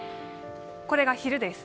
これが昼です。